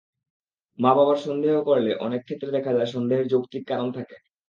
মা-বাবা সন্দেহে করলে অনেক ক্ষেত্রে দেখা যায় সন্দেহের যৌক্তিক কারণ থাকে।